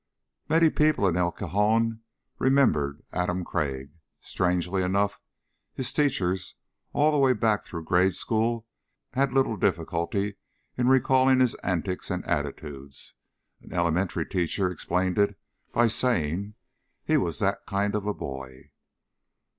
Many people in El Cajon remembered Adam Crag. Strangely enough, his teachers all the way back through grade school had little difficulty in recalling his antics and attitudes. An elementary teacher explained it by saying, "He was that kind of a boy."